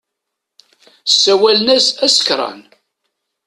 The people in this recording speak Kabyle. Ssawalen-as asekran.